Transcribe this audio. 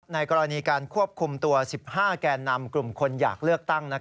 ในกรณีการควบคุมตัว๑๕แก่นำกลุ่มคนอยากเลือกตั้ง